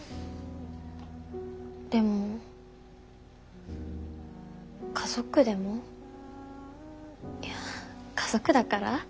でも家族でもいや家族だから？